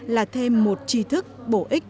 là thêm một trí thức bổ ích